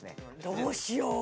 どうしよう